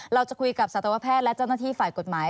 เราจะคุยกับสัตวแพทย์และเจ้าหน้าที่ฝ่ายกฎหมาย